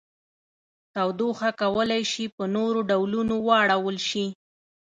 تودوخه کولی شي په نورو ډولونو واړول شي.